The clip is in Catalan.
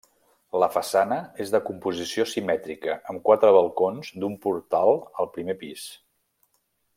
La façana és de composició simètrica amb quatre balcons d'un portal al primer pis.